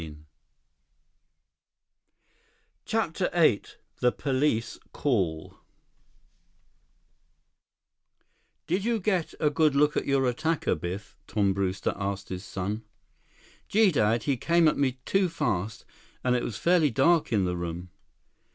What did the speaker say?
51 CHAPTER VIII The Police Call "Did you get a good look at your attacker, Biff?" Tom Brewster asked his son. "Gee, Dad. He came at me too fast. And it was fairly dark in the room."